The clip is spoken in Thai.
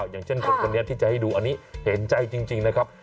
อย่างเช่นคนนี้ที่จะให้ดูอันนี้เห็นใจจริงนะครับ